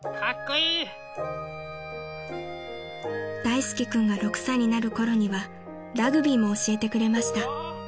［大介君が６歳になるころにはラグビーも教えてくれました］